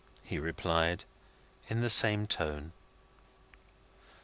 he replied, in the same tone.